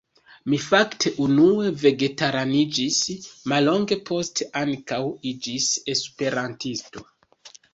Mi fakte unue vegetaraniĝis, mallonge poste ankaŭ iĝis Esperantisto.